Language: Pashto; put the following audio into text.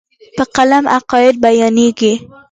په قلم عقاید بیانېږي.